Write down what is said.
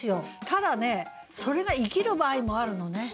ただねそれが生きる場合もあるのね。